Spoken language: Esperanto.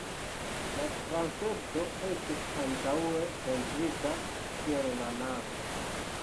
La transepto estis antaŭe pentrita kiel la navo.